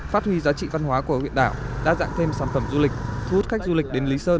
phát huy giá trị văn hóa của huyện đảo đa dạng thêm sản phẩm du lịch thu hút khách du lịch đến lý sơn